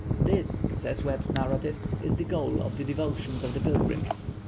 "This," says Webb's narrative, "is the goal of the devotions of the pilgrims.